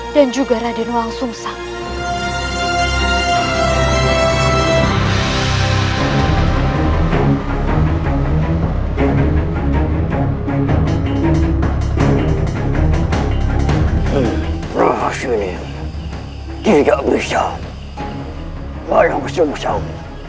dan juga raden wang sungsang